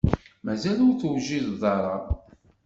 Mazal ur tewjiḍeḍ ara?